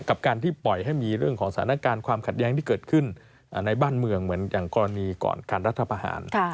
กับการที่ปล่อยให้มีเรื่องของสถานการณ์ความขัดแย้งที่เกิดขึ้นในบ้านเมืองเหมือนอย่างกรณีก่อนการรัฐประหาร